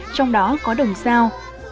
trong đó có đồng sao